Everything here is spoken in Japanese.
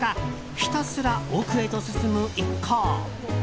ひたすら奥へと進む一行。